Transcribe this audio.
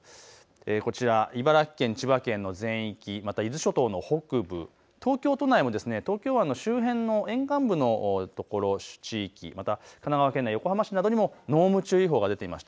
こちら茨城県、千葉県の全域伊豆諸島の北部、東京都内も東京湾の周辺の沿岸部のところ、神奈川県内、横浜地域にも濃霧注意報が出ています。